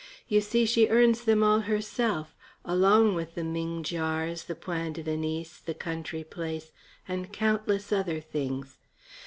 You see, she earns them all herself, along with the Ming jars, the point de Venise, the country place, and countless other things.